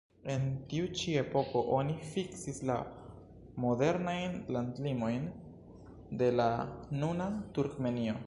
En tiu ĉi epoko oni fiksis la modernajn landlimojn de la nuna Turkmenio.